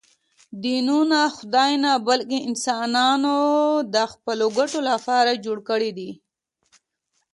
دینونه خدای نه، بلکې انسانانو د خپلو ګټو لپاره جوړ کړي دي